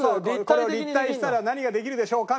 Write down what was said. これを立体にしたら何ができるでしょうか？